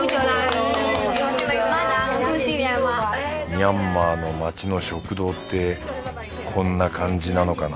ミャンマーの街の食堂ってこんな感じなのかな？